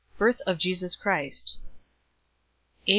Birth of JESUS CHRIST. A.